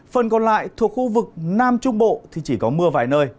phần còn lại thuộc khu vực nam trung bộ thì chỉ có mưa vài nơi